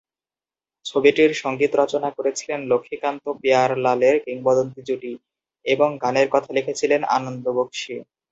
ছবিটির সংগীত রচনা করেছিলেন লক্ষ্মীকান্ত-পেয়ারলালের কিংবদন্তী জুটি এবং গানের কথা লিখেছেন আনন্দ বক্সী।